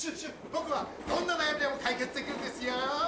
僕はどんな悩みでも解決できるんですよ。